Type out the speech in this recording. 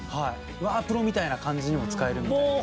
ワープロみたいな感じにも使えるみたいな。